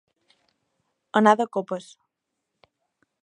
Anar de copes.